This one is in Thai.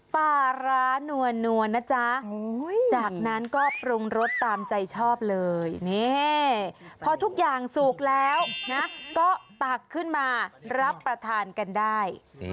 ปรุงรสตามใจชอบเลยพอทุกอย่างสูกแล้วก็ปากขึ้นมารับประทานกันได้